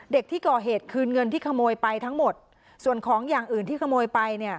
เด็กที่ก่อเหตุคืนเงินที่ขโมยไปทั้งหมดส่วนของอย่างอื่นที่ขโมยไปเนี่ย